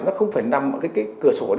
nó không phải nằm ở cái cửa sổ này